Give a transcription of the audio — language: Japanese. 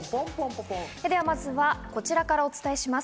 まずはこちらからお伝えします。